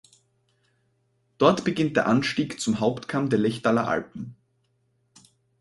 Dort beginnt der Anstieg zum Hauptkamm der Lechtaler Alpen.